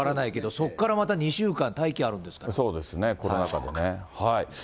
そこからまた２週間、待機そうですね、コロナ禍でね。